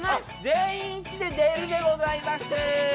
全員いっちで「出る」でございます。